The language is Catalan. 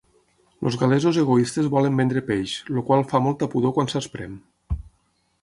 Els gal·lesos egoistes volen vendre peix, el qual fa molta pudor quan s'esprem.